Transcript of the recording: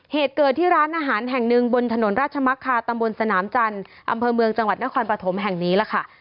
เหตุเกิดที่ร้านอาหารแห่งหนึ่งบนถนนราชมักคาตำบลสนามจันทร์อำเภอเมืองจังหวัดนครปฐมแห่งนี้ล่ะค่ะ